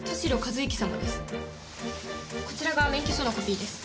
こちらが免許証のコピーです。